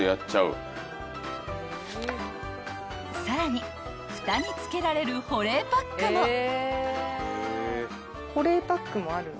［さらにふたに付けられる保冷パックも］